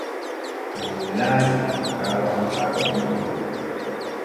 Mii laati baba sukaaɓe ɗuɓɓe.